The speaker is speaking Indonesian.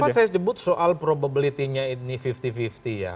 kenapa saya sebut soal probability nya ini lima puluh lima puluh ya